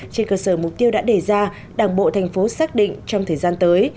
trên cơ sở mục tiêu đã đề ra đảng bộ thành phố xác định trong thời gian tới